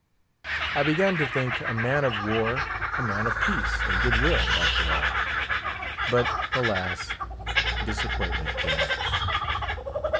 I began to think a man of war a man of peace and good will, after all. But, alas! disappointment came.